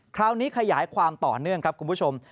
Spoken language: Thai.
ขยายความต่อเนื่องครับคุณผู้ชม